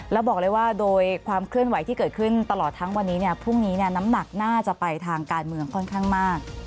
แล้วบอกเลยว่าโดยความเคลื่อนไหวที่เกิดขึ้นตลอดทั้งวันนี้พรุ่งนี้น้ำหนักน่าจะไปทางการเมืองค่อนข้างมาก